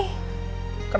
ya nggak gitu